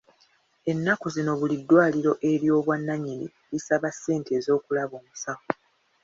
Ennaku zino buli ddwaliro ery'obwannannyini lisaba ssente z'okulaba omusawo.